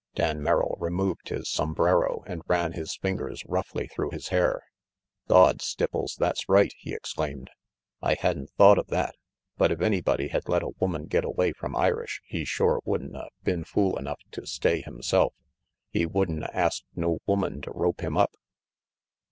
Dan Merrill removed his sombrero and ran his fingers roughly through his hair. "Gawd, Stipples, that's right," he exclaimed. "I had'n thought of that, but if anybody had let a woman get away from Irish, he shore would'n a been fool enough to stay himself. He would'n a asked no woman to rope him up.